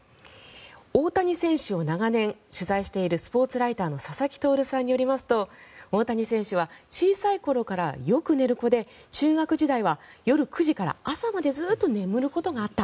大谷選手を長年取材しているスポーツライターの佐々木亨さんによりますと大谷選手は小さい頃からよく寝る子で中学時代は夜９時から朝までずっと眠ることがあった。